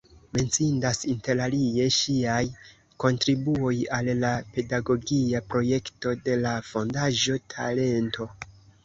Menciindas interalie ŝiaj kontribuoj al la pedagogia projekto de la fondaĵo Talento.